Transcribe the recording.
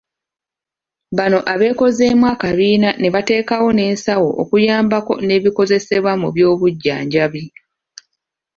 Bano abeekozeemu akabiina ne bateekawo n'ensawo okuyambako n'ebikozesebwa mu by'obujjanjabi.